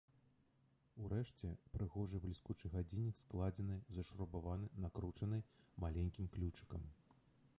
Урэшце прыгожы бліскучы гадзіннік складзены, зашрубаваны, накручаны маленькім ключыкам.